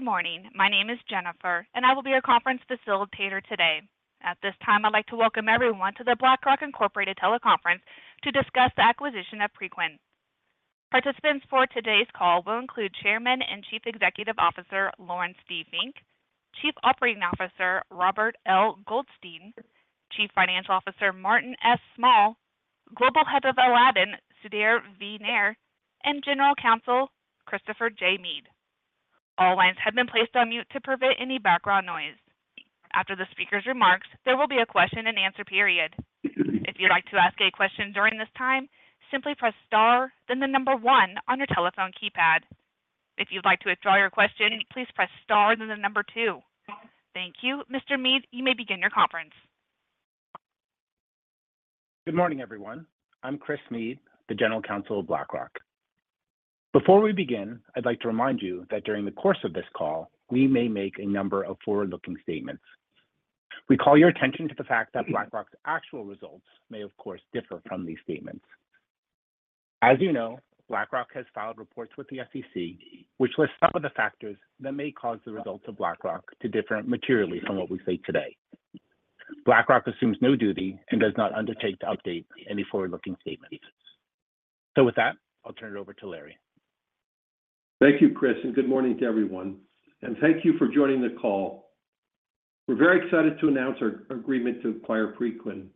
Good morning. My name is Jennifer, and I will be your conference facilitator today. At this time, I'd like to welcome everyone to the BlackRock Incorporated teleconference to discuss the acquisition of Preqin. Participants for today's call will include Chairman and Chief Executive Officer Laurence D. Fink, Chief Operating Officer Robert L. Goldstein, Chief Financial Officer Martin S. Small, Global Head of Aladdin Sudhir V. Nair, and General Counsel Christopher J. Meade. All lines have been placed on mute to prevent any background noise. After the speaker's remarks, there will be a question-and-answer period. If you'd like to ask a question during this time, simply press star, then the number one on your telephone keypad. If you'd like to withdraw your question, please press star, then the number two. Thank you. Mr. Meade, you may begin your conference. Good morning, everyone. I'm Chris Meade, the General Counsel of BlackRock. Before we begin, I'd like to remind you that during the course of this call, we may make a number of forward-looking statements. We call your attention to the fact that BlackRock's actual results may, of course, differ from these statements. As you know, BlackRock has filed reports with the SEC, which lists some of the factors that may cause the results of BlackRock to differ materially from what we see today. BlackRock assumes no duty and does not undertake to update any forward-looking statements. With that, I'll turn it over to Larry. Thank you, Chris, and good morning to everyone. Thank you for joining the call. We're very excited to announce our agreement to acquire Preqin.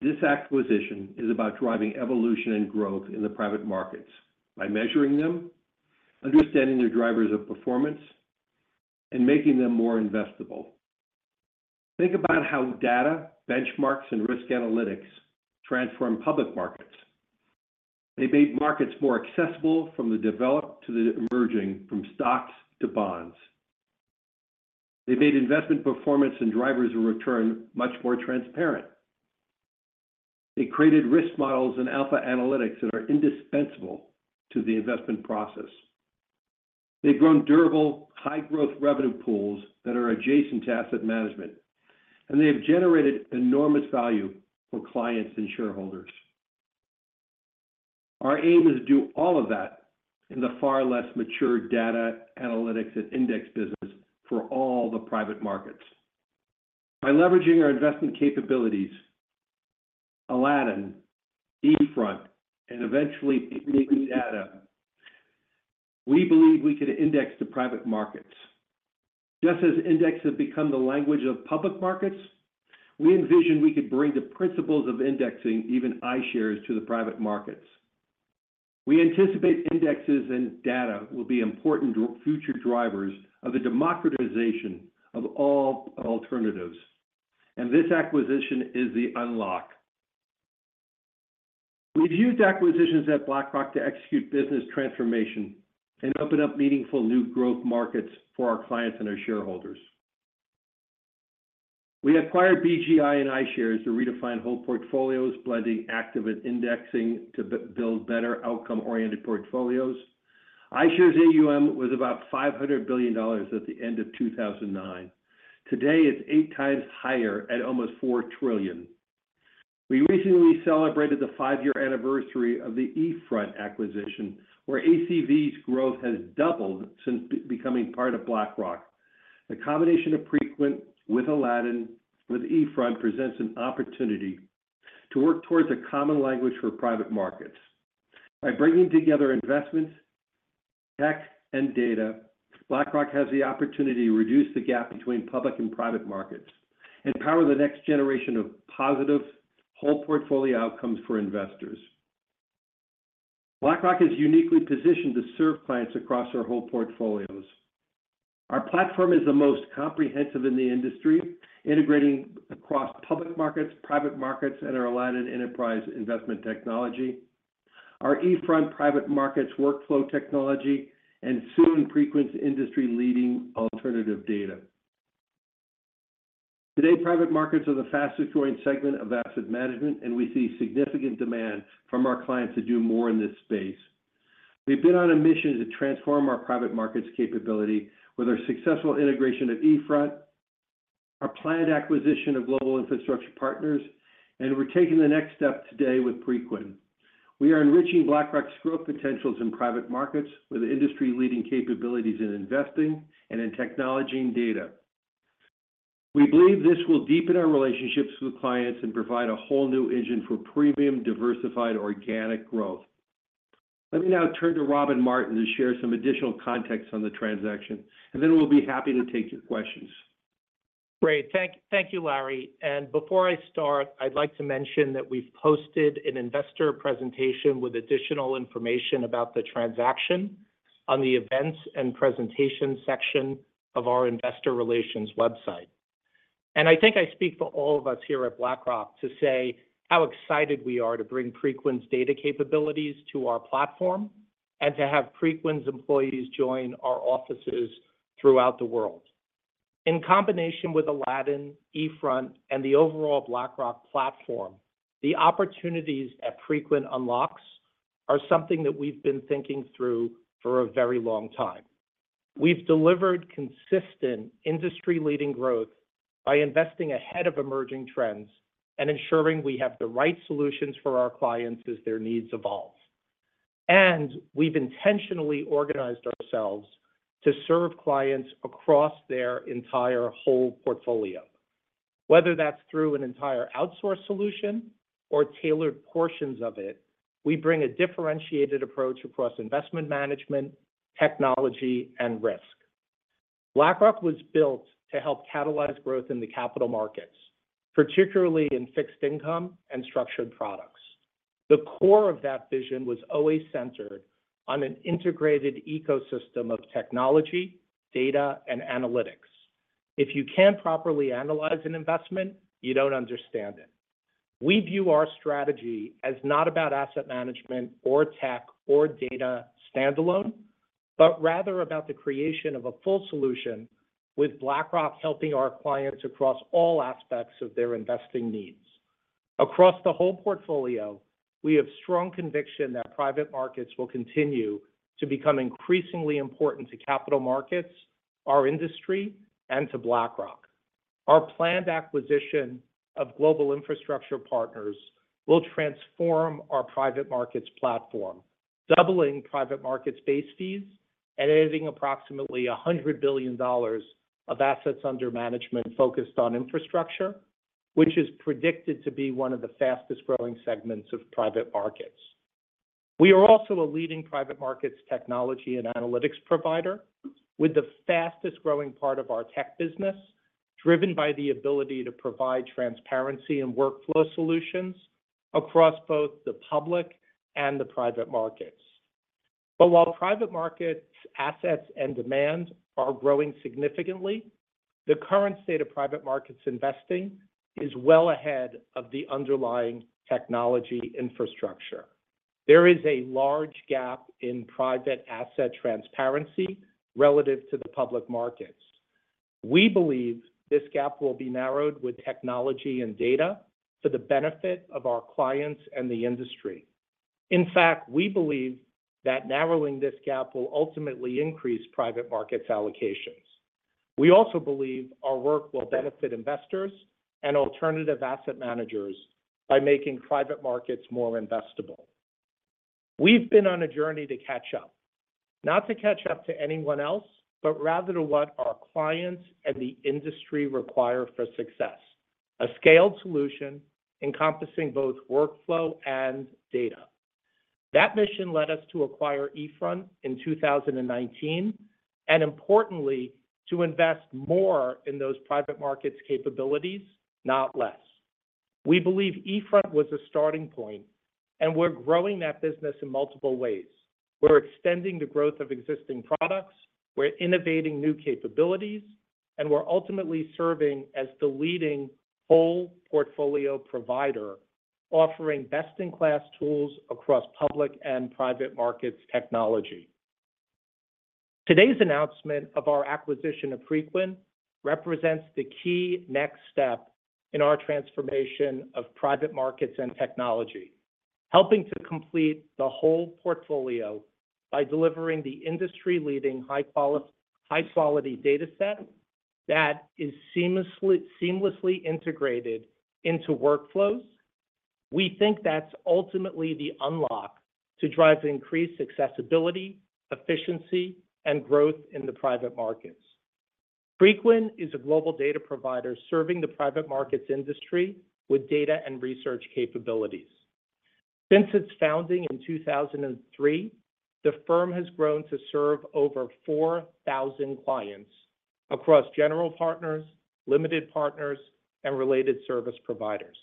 This acquisition is about driving evolution and growth in the private markets by measuring them, understanding their drivers of performance, and making them more investable. Think about how data, benchmarks, and risk analytics transform public markets. They made markets more accessible from the developed to the emerging, from stocks to bonds. They made investment performance and drivers of return much more transparent. They created risk models and alpha analytics that are indispensable to the investment process. They've grown durable, high-growth revenue pools that are adjacent to asset management, and they have generated enormous value for clients and shareholders. Our aim is to do all of that in the far less mature data analytics and index business for all the private markets. By leveraging our investment capabilities, Aladdin, eFront, and eventually Big Data, we believe we could index the private markets. Just as indexes have become the language of public markets, we envision we could bring the principles of indexing, even iShares, to the private markets. We anticipate indexes and data will be important future drivers of the democratization of all alternatives, and this acquisition is the unlock. We've used acquisitions at BlackRock to execute business transformation and open up meaningful new growth markets for our clients and our shareholders. We acquired BGI and iShares to redefine whole portfolios, blending active and indexing to build better outcome-oriented portfolios. iShares AUM was about $500 billion at the end of 2009. Today, it's 8x higher at almost $4 trillion. We recently celebrated the five-year anniversary of the eFront acquisition, where ACV's growth has doubled since becoming part of BlackRock. The combination of Preqin with Aladdin with eFront presents an opportunity to work towards a common language for private markets. By bringing together investments, tech, and data, BlackRock has the opportunity to reduce the gap between public and private markets and power the next generation of positive whole portfolio outcomes for investors. BlackRock is uniquely positioned to serve clients across our whole portfolios. Our platform is the most comprehensive in the industry, integrating across public markets, private markets, and our Aladdin Enterprise investment technology, our eFront private markets workflow technology, and soon Preqin's industry-leading alternative data. Today, private markets are the fastest-growing segment of asset management, and we see significant demand from our clients to do more in this space. We've been on a mission to transform our private markets capability with our successful integration of eFront, our planned acquisition of Global Infrastructure Partners, and we're taking the next step today with Preqin. We are enriching BlackRock's growth potentials in private markets with industry-leading capabilities in investing and in technology and data. We believe this will deepen our relationships with clients and provide a whole new engine for premium, diversified, organic growth. Let me now turn to Rob and Martin to share some additional context on the transaction, and then we'll be happy to take your questions. Great. Thank you, Larry. Before I start, I'd like to mention that we've posted an investor presentation with additional information about the transaction on the events and presentation section of our investor relations website. I think I speak for all of us here at BlackRock to say how excited we are to bring Preqin's data capabilities to our platform and to have Preqin's employees join our offices throughout the world. In combination with Aladdin, eFront, and the overall BlackRock platform, the opportunities that Preqin unlocks are something that we've been thinking through for a very long time. We've delivered consistent industry-leading growth by investing ahead of emerging trends and ensuring we have the right solutions for our clients as their needs evolve. We've intentionally organized ourselves to serve clients across their entire whole portfolio. Whether that's through an entire outsource solution or tailored portions of it, we bring a differentiated approach across investment management, technology, and risk. BlackRock was built to help catalyze growth in the capital markets, particularly in fixed income and structured products. The core of that vision was always centered on an integrated ecosystem of technology, data, and analytics. If you can't properly analyze an investment, you don't understand it. We view our strategy as not about asset management or tech or data standalone, but rather about the creation of a full solution with BlackRock helping our clients across all aspects of their investing needs. Across the whole portfolio, we have strong conviction that private markets will continue to become increasingly important to capital markets, our industry, and to BlackRock. Our planned acquisition of Global Infrastructure Partners will transform our private markets platform, doubling private markets base fees and adding approximately $100 billion of assets under management focused on infrastructure, which is predicted to be one of the fastest-growing segments of private markets. We are also a leading private markets technology and analytics provider with the fastest-growing part of our tech business, driven by the ability to provide transparency and workflow solutions across both the public and the private markets. But while private markets assets and demand are growing significantly, the current state of private markets investing is well ahead of the underlying technology infrastructure. There is a large gap in private asset transparency relative to the public markets. We believe this gap will be narrowed with technology and data for the benefit of our clients and the industry. In fact, we believe that narrowing this gap will ultimately increase private markets allocations. We also believe our work will benefit investors and alternative asset managers by making private markets more investable. We've been on a journey to catch up, not to catch up to anyone else, but rather to what our clients and the industry require for success: a scaled solution encompassing both workflow and data. That mission led us to acquire eFront in 2019 and, importantly, to invest more in those private markets capabilities, not less. We believe eFront was a starting point, and we're growing that business in multiple ways. We're extending the growth of existing products. We're innovating new capabilities, and we're ultimately serving as the leading whole portfolio provider, offering best-in-class tools across public and private markets technology. Today's announcement of our acquisition of Preqin represents the key next step in our transformation of private markets and technology, helping to complete the whole portfolio by delivering the industry-leading high-quality data set that is seamlessly integrated into workflows. We think that's ultimately the unlock to drive increased accessibility, efficiency, and growth in the private markets. Preqin is a global data provider serving the private markets industry with data and research capabilities. Since its founding in 2003, the firm has grown to serve over 4,000 clients across general partners, limited partners, and related service providers.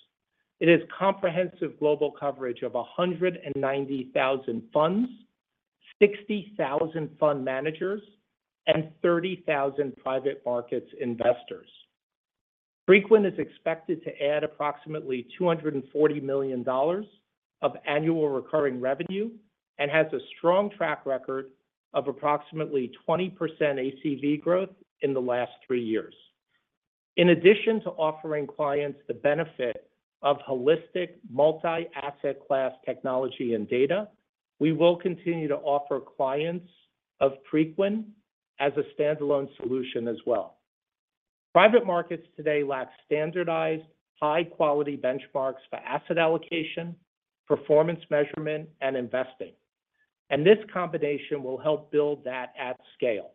It has comprehensive global coverage of 190,000 funds, 60,000 fund managers, and 30,000 private markets investors. Preqin is expected to add approximately $240 million of annual recurring revenue and has a strong track record of approximately 20% ACV growth in the last three years. In addition to offering clients the benefit of holistic multi-asset class technology and data, we will continue to offer clients of Preqin as a standalone solution as well. Private markets today lack standardized high-quality benchmarks for asset allocation, performance measurement, and investing. This combination will help build that at scale.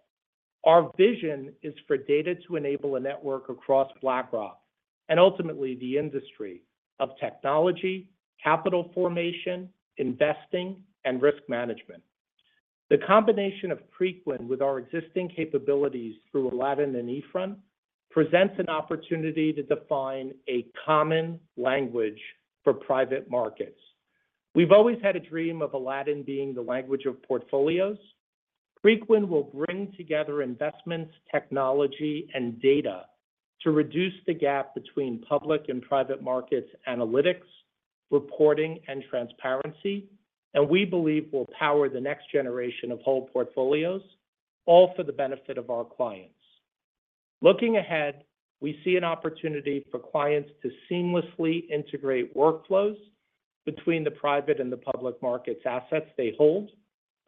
Our vision is for data to enable a network across BlackRock and ultimately the industry of technology, capital formation, investing, and risk management. The combination of Preqin with our existing capabilities through Aladdin and eFront presents an opportunity to define a common language for private markets. We've always had a dream of Aladdin being the language of portfolios. Preqin will bring together investments, technology, and data to reduce the gap between public and private markets analytics, reporting, and transparency, and we believe will power the next generation of whole portfolios, all for the benefit of our clients. Looking ahead, we see an opportunity for clients to seamlessly integrate workflows between the private and the public markets assets they hold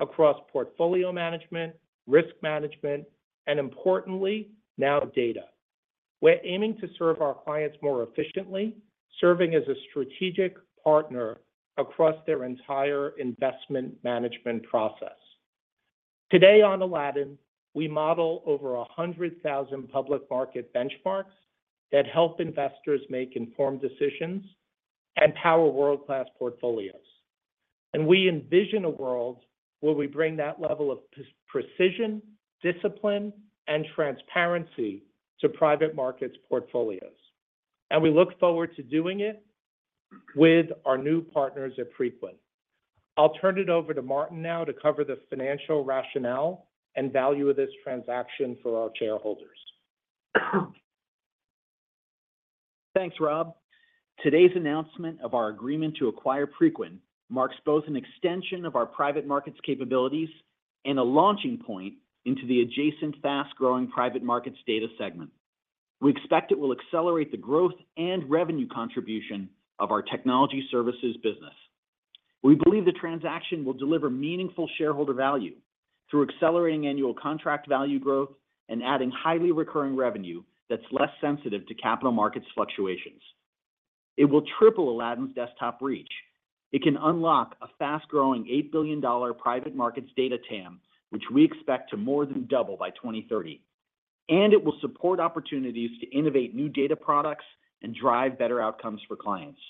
across portfolio management, risk management, and importantly, now data. We're aiming to serve our clients more efficiently, serving as a strategic partner across their entire investment management process. Today on Aladdin, we model over 100,000 public market benchmarks that help investors make informed decisions and power world-class portfolios. We envision a world where we bring that level of precision, discipline, and transparency to private markets portfolios. We look forward to doing it with our new partners at Preqin. I'll turn it over to Martin now to cover the financial rationale and value of this transaction for our shareholders. Thanks, Rob. Today's announcement of our agreement to acquire Preqin marks both an extension of our private markets capabilities and a launching point into the adjacent fast-growing private markets data segment. We expect it will accelerate the growth and revenue contribution of our technology services business. We believe the transaction will deliver meaningful shareholder value through accelerating annual contract value growth and adding highly recurring revenue that's less sensitive to capital markets fluctuations. It will triple Aladdin's desktop reach. It can unlock a fast-growing $8 billion private markets data TAM, which we expect to more than double by 2030. And it will support opportunities to innovate new data products and drive better outcomes for clients.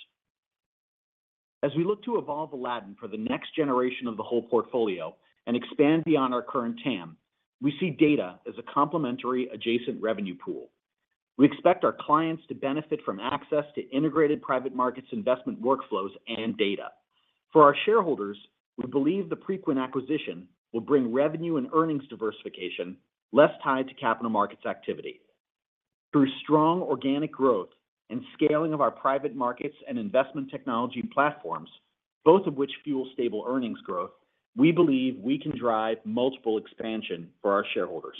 As we look to evolve Aladdin for the next generation of the whole portfolio and expand beyond our current TAM, we see data as a complementary adjacent revenue pool. We expect our clients to benefit from access to integrated private markets investment workflows and data. For our shareholders, we believe the Preqin acquisition will bring revenue and earnings diversification less tied to capital markets activity. Through strong organic growth and scaling of our private markets and investment technology platforms, both of which fuel stable earnings growth, we believe we can drive multiple expansion for our shareholders.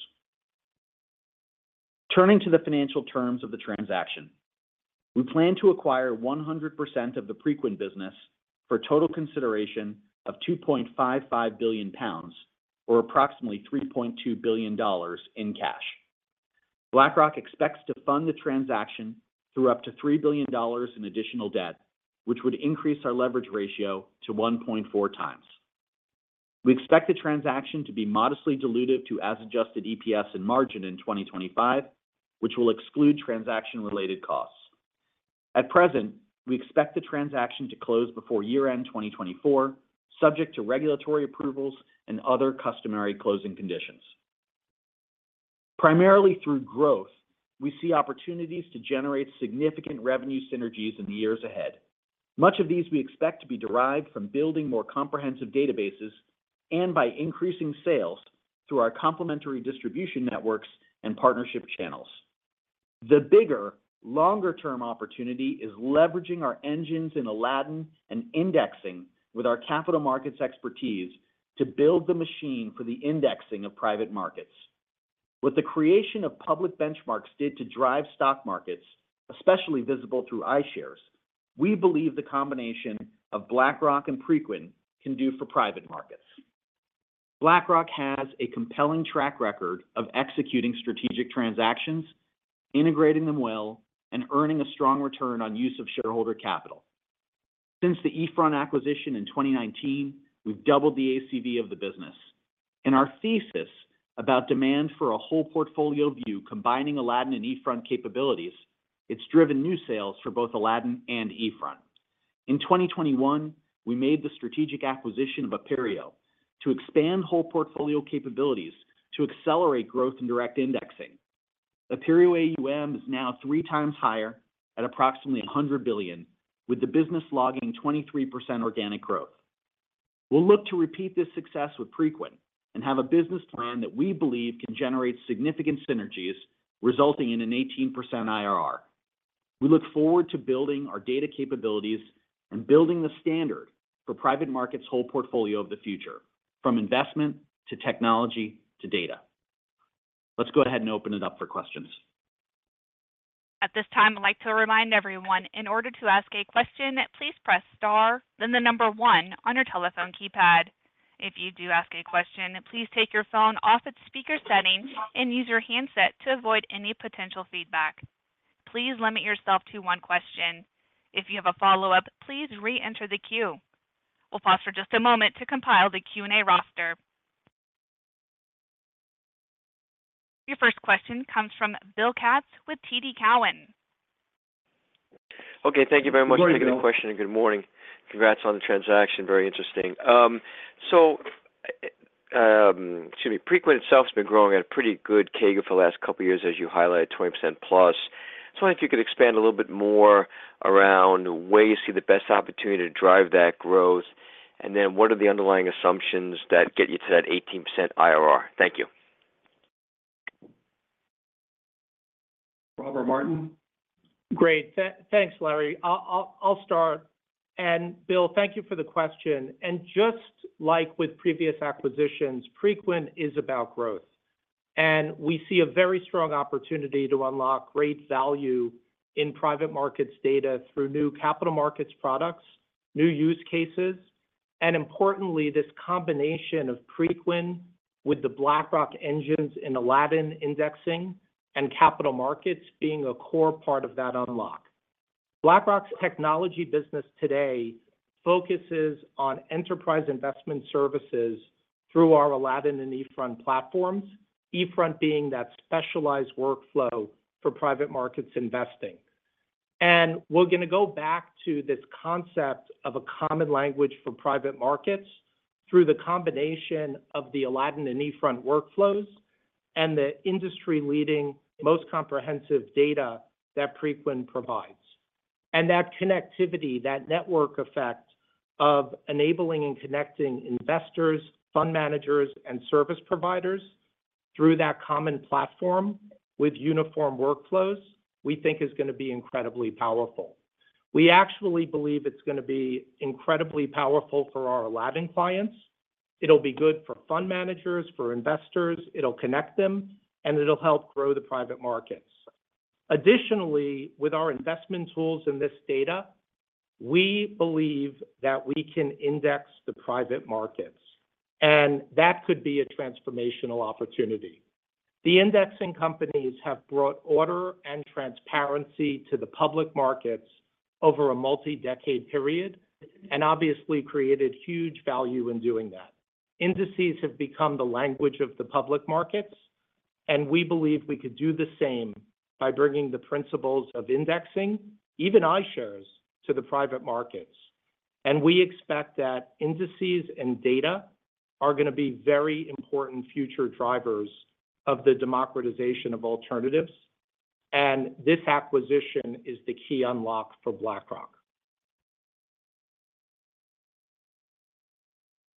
Turning to the financial terms of the transaction, we plan to acquire 100% of the Preqin business for total consideration of 2.55 billion pounds, or approximately $3.2 billion in cash. BlackRock expects to fund the transaction through up to $3 billion in additional debt, which would increase our leverage ratio to 1.4x. We expect the transaction to be modestly diluted to as-adjusted EPS and margin in 2025, which will exclude transaction-related costs. At present, we expect the transaction to close before year-end 2024, subject to regulatory approvals and other customary closing conditions. Primarily through growth, we see opportunities to generate significant revenue synergies in the years ahead. Much of these we expect to be derived from building more comprehensive databases and by increasing sales through our complementary distribution networks and partnership channels. The bigger, longer-term opportunity is leveraging our engines in Aladdin and indexing with our capital markets expertise to build the machine for the indexing of private markets. What the creation of public benchmarks did to drive stock markets, especially visible through iShares, we believe the combination of BlackRock and Preqin can do for private markets. BlackRock has a compelling track record of executing strategic transactions, integrating them well, and earning a strong return on use of shareholder capital. Since the eFront acquisition in 2019, we've doubled the ACV of the business. In our thesis about demand for a whole portfolio view combining Aladdin and eFront capabilities, it's driven new sales for both Aladdin and eFront. In 2021, we made the strategic acquisition of Aperio to expand whole portfolio capabilities to accelerate growth in direct indexing. Aperio AUM is now 3x higher at approximately $100 billion, with the business logging 23% organic growth. We'll look to repeat this success with Preqin and have a business plan that we believe can generate significant synergies, resulting in an 18% IRR. We look forward to building our data capabilities and building the standard for private markets' whole portfolio of the future, from investment to technology to data. Let's go ahead and open it up for questions. At this time, I'd like to remind everyone, in order to ask a question, please press star, then the number one on your telephone keypad. If you do ask a question, please take your phone off its speaker setting and use your handset to avoid any potential feedback. Please limit yourself to one question. If you have a follow-up, please re-enter the queue. We'll pause for just a moment to compile the Q&A roster. Your first question comes from Bill Katz with TD Cowen. Okay. Thank you very much for taking the question. Good morning. Good morning. Congrats on the transaction. Very interesting. So excuse me, Preqin itself has been growing at a pretty good CAGR for the last couple of years, as you highlighted, 20%+. Just wondering if you could expand a little bit more around where you see the best opportunity to drive that growth, and then what are the underlying assumptions that get you to that 18% IRR. Thank you. Martin? Great. Thanks, Larry. I'll start. Bill, thank you for the question. Just like with previous acquisitions, Preqin is about growth. We see a very strong opportunity to unlock great value in private markets data through new capital markets products, new use cases, and importantly, this combination of Preqin with the BlackRock engines in Aladdin indexing and capital markets being a core part of that unlock. BlackRock's technology business today focuses on enterprise investment services through our Aladdin and eFront platforms, eFront being that specialized workflow for private markets investing. We're going to go back to this concept of a common language for private markets through the combination of the Aladdin and eFront workflows and the industry-leading, most comprehensive data that Preqin provides. That connectivity, that network effect of enabling and connecting investors, fund managers, and service providers through that common platform with uniform workflows, we think is going to be incredibly powerful. We actually believe it's going to be incredibly powerful for our Aladdin clients. It'll be good for fund managers, for investors. It'll connect them, and it'll help grow the private markets. Additionally, with our investment tools and this data, we believe that we can index the private markets. And that could be a transformational opportunity. The indexing companies have brought order and transparency to the public markets over a multi-decade period and obviously created huge value in doing that. Indices have become the language of the public markets, and we believe we could do the same by bringing the principles of indexing, even iShares, to the private markets. We expect that indices and data are going to be very important future drivers of the democratization of alternatives. This acquisition is the key unlock for BlackRock.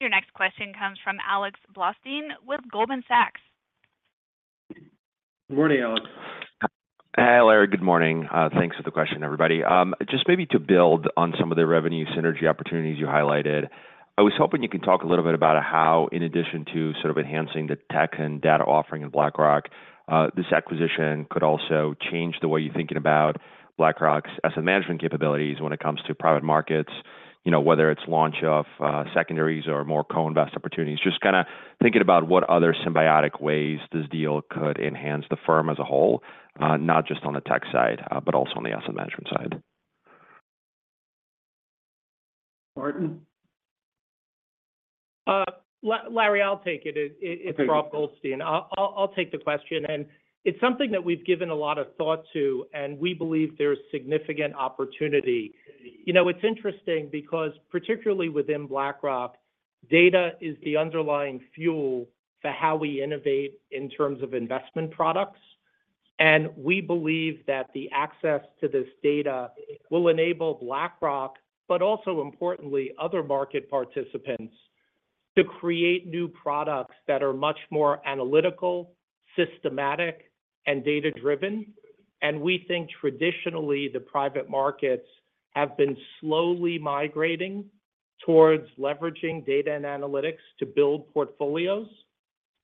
Your next question comes from Alex Blostein with Goldman Sachs. Good morning, Alex. Hey, Larry. Good morning. Thanks for the question, everybody. Just maybe to build on some of the revenue synergy opportunities you highlighted, I was hoping you can talk a little bit about how, in addition to sort of enhancing the tech and data offering at BlackRock, this acquisition could also change the way you're thinking about BlackRock's asset management capabilities when it comes to private markets, whether it's launch of secondaries or more co-invest opportunities. Just kind of thinking about what other symbiotic ways this deal could enhance the firm as a whole, not just on the tech side, but also on the asset management side. Martin? Larry, I'll take it. It's Rob Goldstein. I'll take the question. And it's something that we've given a lot of thought to, and we believe there's significant opportunity. It's interesting because, particularly within BlackRock, data is the underlying fuel for how we innovate in terms of investment products. And we believe that the access to this data will enable BlackRock, but also importantly, other market participants to create new products that are much more analytical, systematic, and data-driven. And we think traditionally the private markets have been slowly migrating towards leveraging data and analytics to build portfolios.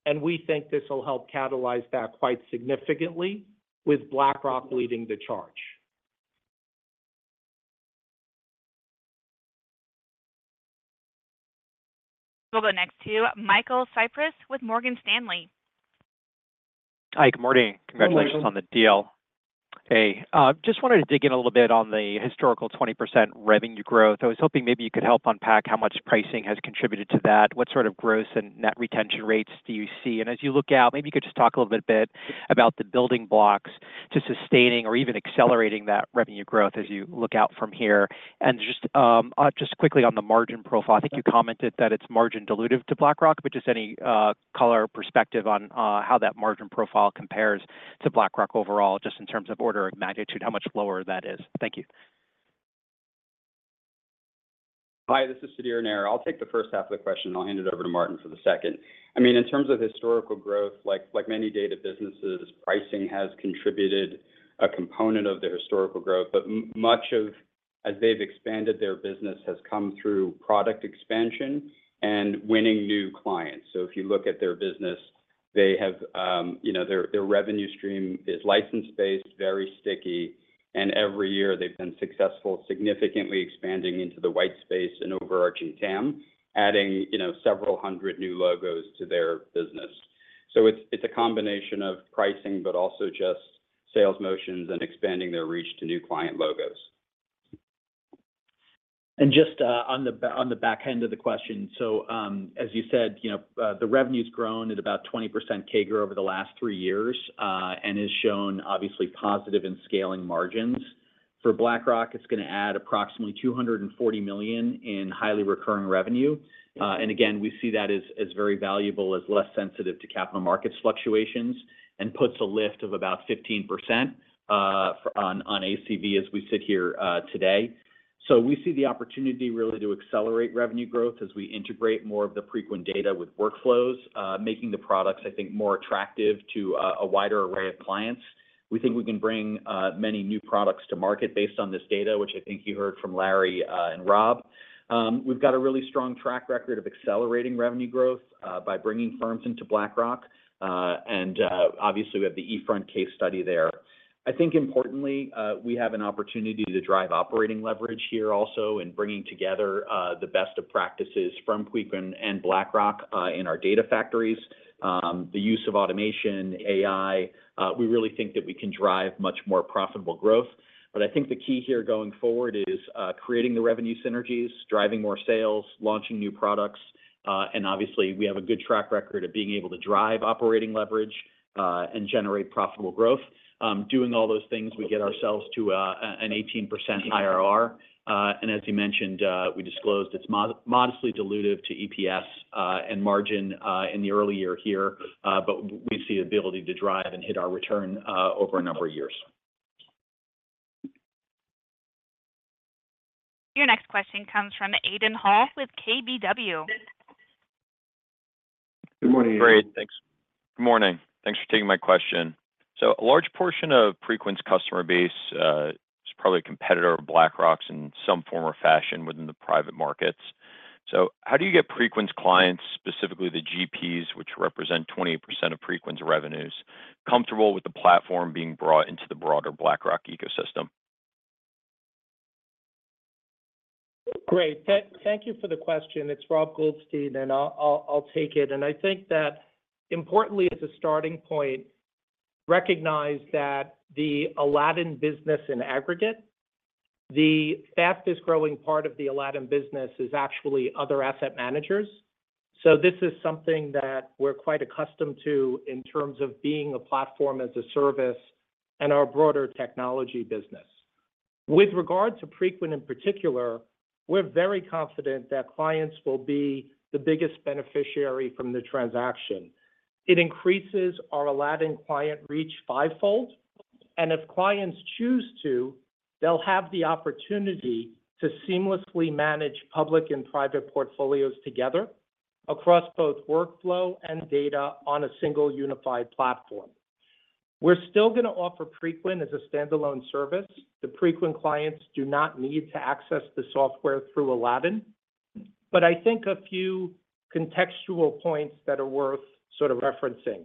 And we think this will help catalyze that quite significantly, with BlackRock leading the charge. We'll go next to you, Michael Cyprys with Morgan Stanley. Hi. Good morning. Congratulations on the deal. Hey. Just wanted to dig in a little bit on the historical 20% revenue growth. I was hoping maybe you could help unpack how much pricing has contributed to that. What sort of growth and net retention rates do you see? And as you look out, maybe you could just talk a little bit about the building blocks to sustaining or even accelerating that revenue growth as you look out from here. And just quickly on the margin profile, I think you commented that it's margin-dilutive to BlackRock, but just any color or perspective on how that margin profile compares to BlackRock overall, just in terms of order of magnitude, how much lower that is. Thank you. Hi. This is Sudhir Nair. I'll take the first half of the question, and I'll hand it over to Martin for the second. I mean, in terms of historical growth, like many data businesses, pricing has contributed a component of their historical growth. But much of, as they've expanded their business, has come through product expansion and winning new clients. So if you look at their business, their revenue stream is license-based, very sticky, and every year they've been successful, significantly expanding into the white space and overarching TAM, adding several hundred new logos to their business. So it's a combination of pricing, but also just sales motions and expanding their reach to new client logos. Just on the back end of the question, so as you said, the revenue's grown at about 20% CAGR over the last three years and has shown, obviously, positive in scaling margins. For BlackRock, it's going to add approximately $240 million in highly recurring revenue. And again, we see that as very valuable, as less sensitive to capital markets fluctuations, and puts a lift of about 15% on ACV as we sit here today. So we see the opportunity really to accelerate revenue growth as we integrate more of the Preqin data with workflows, making the products, I think, more attractive to a wider array of clients. We think we can bring many new products to market based on this data, which I think you heard from Larry and Rob. We've got a really strong track record of accelerating revenue growth by bringing firms into BlackRock. Obviously, we have the eFront case study there. I think importantly, we have an opportunity to drive operating leverage here also in bringing together the best of practices from Preqin and BlackRock in our data factories, the use of automation, AI. We really think that we can drive much more profitable growth. I think the key here going forward is creating the revenue synergies, driving more sales, launching new products. Obviously, we have a good track record of being able to drive operating leverage and generate profitable growth. Doing all those things, we get ourselves to an 18% IRR. As you mentioned, we disclosed it's modestly dilutive to EPS and margin in the early year here, but we see the ability to drive and hit our return over a number of years. Your next question comes from Aidan Hall with KBW. Good morning. Great. Thanks. Good morning. Thanks for taking my question. So a large portion of Preqin's customer base is probably a competitor of BlackRock's in some form or fashion within the private markets. So how do you get Preqin's clients, specifically the GPs, which represent 20% of Preqin's revenues, comfortable with the platform being brought into the broader BlackRock ecosystem? Great. Thank you for the question. It's Rob Goldstein, and I'll take it. And I think that importantly, as a starting point, recognize that the Aladdin business in aggregate, the fastest growing part of the Aladdin business is actually other asset managers. So this is something that we're quite accustomed to in terms of being a platform as a service and our broader technology business. With regard to Preqin in particular, we're very confident that clients will be the biggest beneficiary from the transaction. It increases our Aladdin client reach fivefold. And if clients choose to, they'll have the opportunity to seamlessly manage public and private portfolios together across both workflow and data on a single unified platform. We're still going to offer Preqin as a standalone service. The Preqin clients do not need to access the software through Aladdin. But I think a few contextual points that are worth sort of referencing.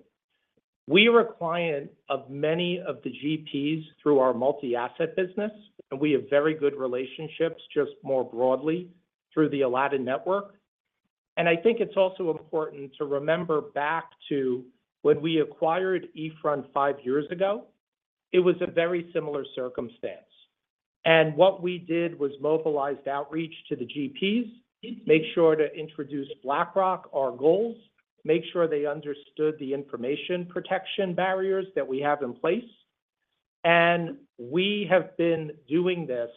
We are a client of many of the GPs through our multi-asset business, and we have very good relationships, just more broadly, through the Aladdin network. And I think it's also important to remember back to when we acquired eFront five years ago, it was a very similar circumstance. And what we did was mobilized outreach to the GPs, made sure to introduce BlackRock, our goals, made sure they understood the information protection barriers that we have in place. And we have been doing this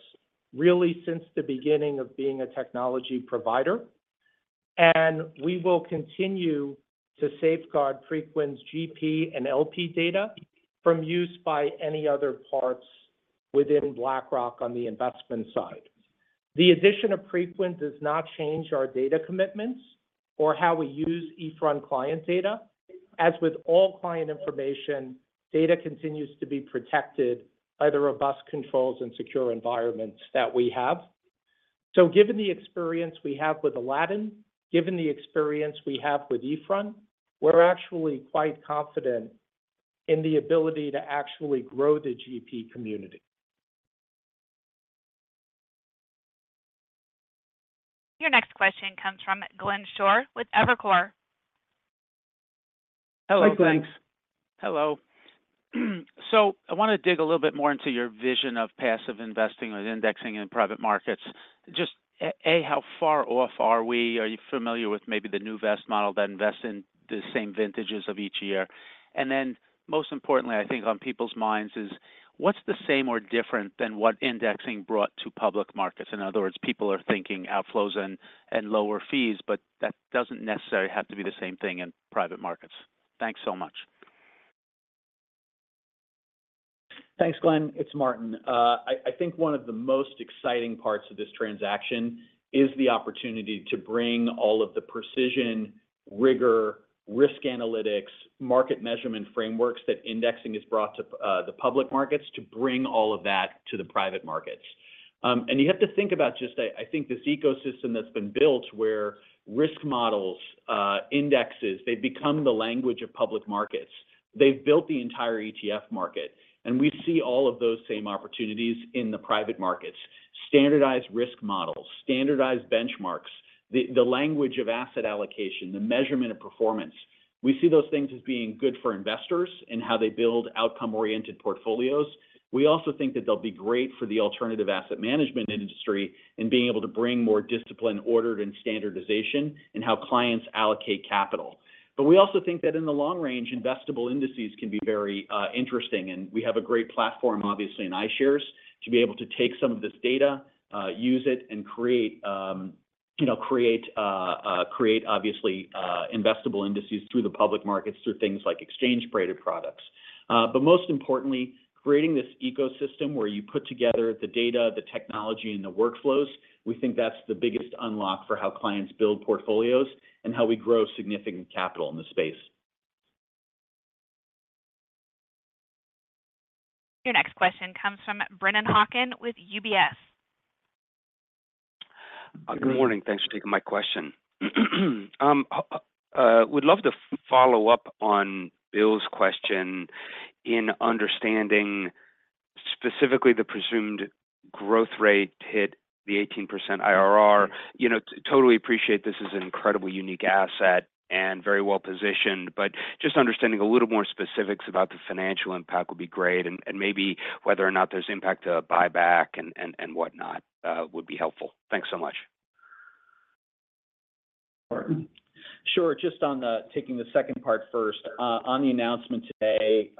really since the beginning of being a technology provider. And we will continue to safeguard Preqin's GP and LP data from use by any other parts within BlackRock on the investment side. The addition of Preqin does not change our data commitments or how we use eFront client data. As with all client information, data continues to be protected by the robust controls and secure environments that we have. So given the experience we have with Aladdin, given the experience we have with eFront, we're actually quite confident in the ability to actually grow the GP community. Your next question comes from Glenn Schorr with Evercore. Hello. Hi, Glenn. Thanks. Hello. So I want to dig a little bit more into your vision of passive investing or indexing in private markets. Just A, how far off are we? Are you familiar with maybe the NewVest model that invests in the same vintages of each year? And then most importantly, I think on people's minds is, what's the same or different than what indexing brought to public markets? In other words, people are thinking outflows and lower fees, but that doesn't necessarily have to be the same thing in private markets. Thanks so much. Thanks, Glenn. It's Martin. I think one of the most exciting parts of this transaction is the opportunity to bring all of the precision, rigor, risk analytics, market measurement frameworks that indexing has brought to the public markets to bring all of that to the private markets. And you have to think about just, I think, this ecosystem that's been built where risk models, indexes, they've become the language of public markets. They've built the entire ETF market. And we see all of those same opportunities in the private markets. Standardized risk models, standardized benchmarks, the language of asset allocation, the measurement of performance. We see those things as being good for investors in how they build outcome-oriented portfolios. We also think that they'll be great for the alternative asset management industry in being able to bring more discipline, order, and standardization in how clients allocate capital. But we also think that in the long range, investable indices can be very interesting. And we have a great platform, obviously, in iShares to be able to take some of this data, use it, and create, obviously, investable indices through the public markets through things like exchange-traded products. But most importantly, creating this ecosystem where you put together the data, the technology, and the workflows, we think that's the biggest unlock for how clients build portfolios and how we grow significant capital in the space. Your next question comes from Brennan Hawken with UBS. Good morning. Thanks for taking my question. Would love to follow up on Bill's question in understanding specifically the presumed growth rate hit the 18% IRR. Totally appreciate this is an incredibly unique asset and very well positioned, but just understanding a little more specifics about the financial impact would be great. And maybe whether or not there's impact to buyback and whatnot would be helpful. Thanks so much. Martin? Sure. Just on taking the second part first, on the announcement today,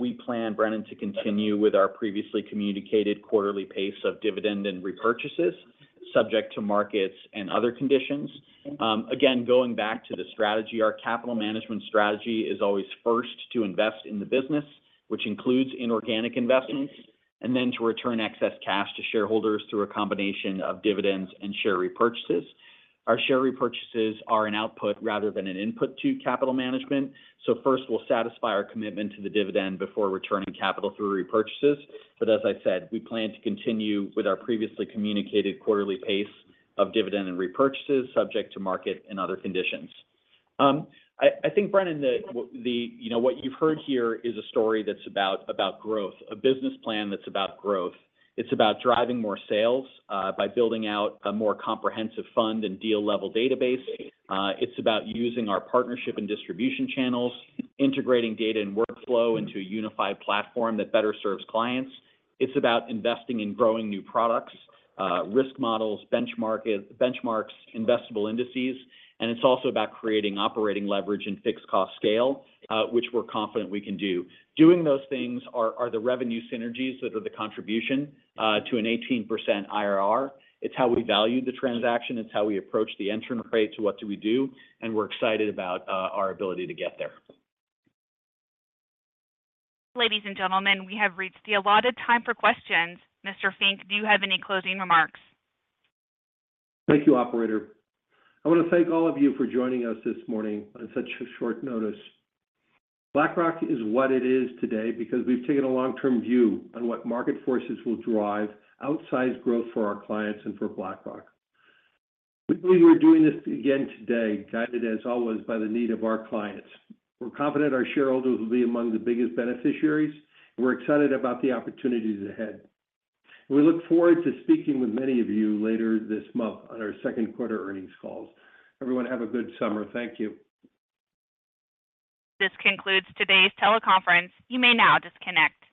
we plan, Brennan, to continue with our previously communicated quarterly pace of dividend and repurchases subject to markets and other conditions. Again, going back to the strategy, our capital management strategy is always first to invest in the business, which includes inorganic investments, and then to return excess cash to shareholders through a combination of dividends and share repurchases. Our share repurchases are an output rather than an input to capital management. So first, we'll satisfy our commitment to the dividend before returning capital through repurchases. But as I said, we plan to continue with our previously communicated quarterly pace of dividend and repurchases subject to market and other conditions. I think, Brennan, that what you've heard here is a story that's about growth, a business plan that's about growth. It's about driving more sales by building out a more comprehensive fund and deal-level database. It's about using our partnership and distribution channels, integrating data and workflow into a unified platform that better serves clients. It's about investing in growing new products, risk models, benchmarks, investable indices. And it's also about creating operating leverage and fixed-cost scale, which we're confident we can do. Doing those things are the revenue synergies that are the contribution to an 18% IRR. It's how we value the transaction. It's how we approach the internal rate to what we do. And we're excited about our ability to get there. Ladies and gentlemen, we have reached the allotted time for questions. Mr. Fink, do you have any closing remarks? Thank you, Operator. I want to thank all of you for joining us this morning on such short notice. BlackRock is what it is today because we've taken a long-term view on what market forces will drive outsized growth for our clients and for BlackRock. We believe we're doing this again today, guided as always by the need of our clients. We're confident our shareholders will be among the biggest beneficiaries. We're excited about the opportunities ahead. We look forward to speaking with many of you later this month on our second quarter earnings calls. Everyone, have a good summer. Thank you. This concludes today's teleconference. You may now disconnect.